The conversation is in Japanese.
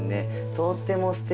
とってもすてき。